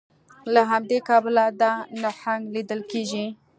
له همدې کبله دا نهنګ لیدل کیږي